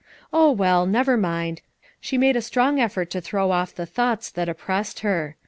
Oh, well, never mind. She made a strong effort to throw off the thoughts that oppressed her.